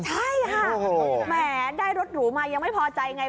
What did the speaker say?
ใช่ค่ะแหมได้รถหรูมายังไม่พอใจไง